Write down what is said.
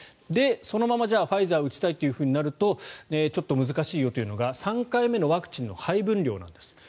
で、そのままファイザーを打ちたいとなるとちょっと難しいよというのが３回目のワクチンの配分量なんです。